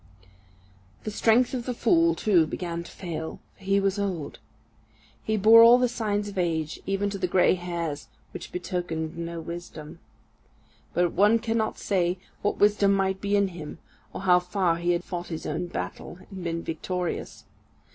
The strength of the fool, too, began to fail, for he was old. He bore all the signs of age, even to the grey hairs, which betokened no wisdom. But one cannot say what wisdom might be in him, or how far he had fought his own battle, and been victorious.